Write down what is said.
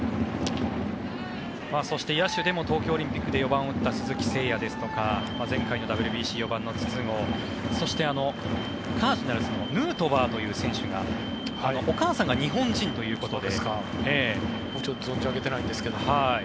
そして野手でも東京オリンピックで４番を打った鈴木誠也ですとか前回のＷＢＣ４番の筒香そして、カージナルスのヌートバーという選手が存じ上げてないんですが。